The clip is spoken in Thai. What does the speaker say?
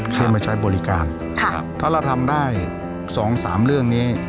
เพื่อมาใช้บริการถ้าเราทำได้สองสามเรื่องนี้